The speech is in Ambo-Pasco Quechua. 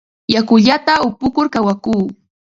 Yakullata upukur kawakuu.